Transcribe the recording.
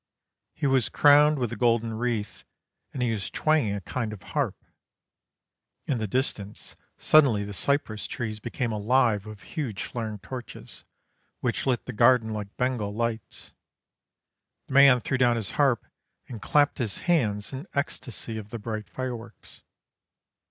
He was crowned with a golden wreath, and he was twanging a kind of harp. In the distance suddenly the cypress trees became alive with huge flaring torches, which lit the garden like Bengal lights. The man threw down his harp and clapped his hands in ecstasy at the bright fireworks.